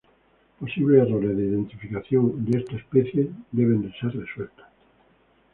Posibles errores de identificación de esta especie deben ser resueltas.